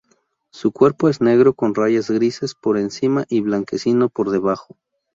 Su cuerpo es negro con rayas grises por encima y blanquecino por debajo.